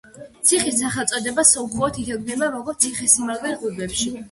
ციხის სახელწოდება სომხურად ითარგმნება როგორც „ციხესიმაგრე ღრუბლებში“.